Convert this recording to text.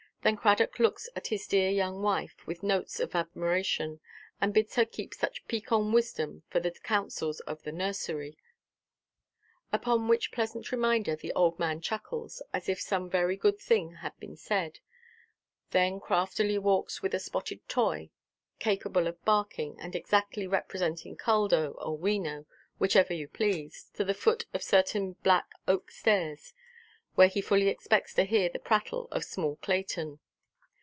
Then Cradock looks at his dear young wife with notes of admiration, and bids her keep such piquant wisdom for the councils of the nursery. Upon which pleasant reminder, the old man chuckles, as if some very good thing had been said; then craftily walks with a spotted toy, capable of barking and exactly representing Caldo or Wena, whichever you please, to the foot of certain black oak–stairs, where he fully expects to hear the prattle of small Clayton.